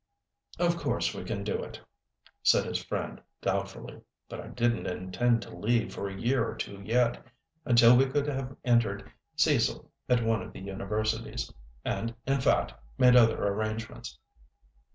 "Of course we can do it," said his friend, doubtfully; "but I didn't intend to leave for a year or two yet—until we could have entered Cecil at one of the universities, and, in fact, made other arrangements.